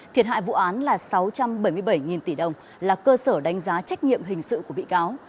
thiệt hại vụ án là sáu trăm bảy mươi bảy tỷ đồng là cơ sở đánh giá trách nhiệm hình sự của bị cáo